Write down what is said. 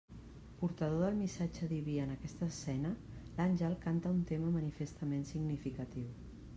Portador del missatge diví en aquesta escena, l'àngel canta un tema manifestament significatiu.